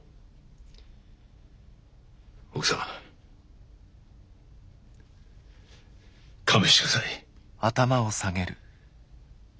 奥さん勘弁してください。